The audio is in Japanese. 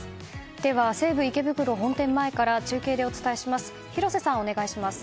では、西武池袋本店前から中継でお伝えします。